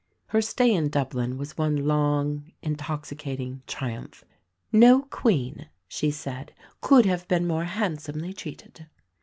Her stay in Dublin was one long, intoxicating triumph. "No Queen," she said, "could have been more handsomely treated."